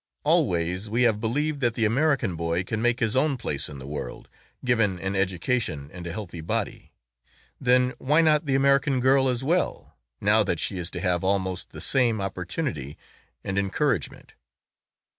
Always we have believed that the American boy can make his own place in the world, given an education and a healthy body, then why not the American girl as well, now that she is to have almost the same opportunity and encouragement?